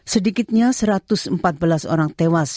sedikitnya satu ratus empat belas orang tewas